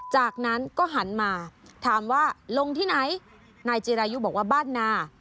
จากนั้นก็หันมาถามว่าลงที่ไหนนายจิรายุบอกว่าบ้านนา